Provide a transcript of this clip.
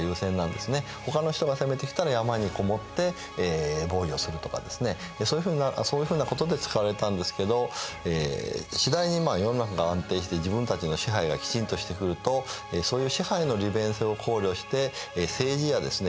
ほかの人が攻めてきたら山にこもって防御をするとかですねそういうふうなことで使われたんですけど次第に世の中が安定して自分たちの支配がきちんとしてくるとそういう支配の利便性を考慮して政治やですね